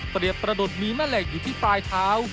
เรียบประดุษมีแม่เหล็กอยู่ที่ปลายเท้า